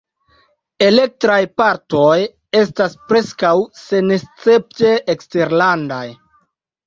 Elektraj partoj estas preskaŭ senescepte eksterlandaj.